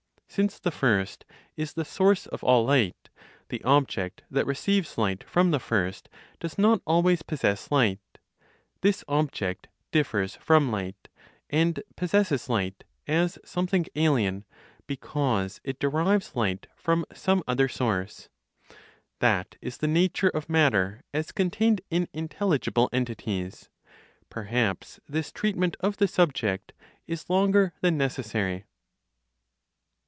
Since the First is the source of all light, the object that receives light from the First does not always possess light; this object differs from light, and possesses light as something alien, because it derives light from some other source. That is the nature of matter as contained in intelligible (entities). Perhaps this treatment of the subject is longer than necessary.